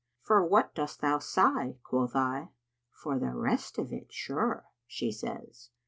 'For what dost thou sigh?' quoth I. 'For the rest of it sure,' she says."